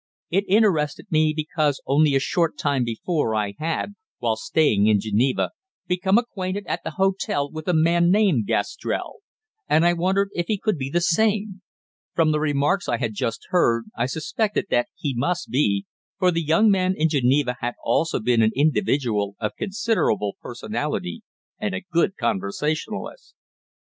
It interested me because only a short time before I had, while staying in Geneva, become acquainted at the hotel with a man named Gastrell, and I wondered if he could be the same. From the remarks I had just heard I suspected that he must be, for the young man in Geneva had also been an individual of considerable personality, and a good conversationalist.